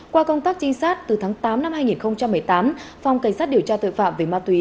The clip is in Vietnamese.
qua công tác trinh sát từ tháng tám năm hai nghìn một mươi tám phòng cảnh sát điều tra tội phạm về ma túy